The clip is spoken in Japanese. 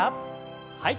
はい。